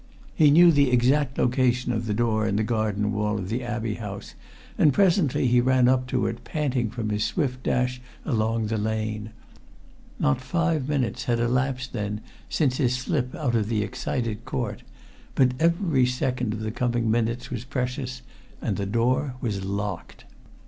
He knew the exact location of the door in the garden wall of the Abbey House and presently he ran up to it, panting from his swift dash along the lane. Not five minutes had elapsed then since his slip out of the excited court. But every second of the coming minutes was precious. And the door was locked.